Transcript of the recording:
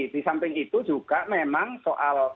di samping itu juga memang soal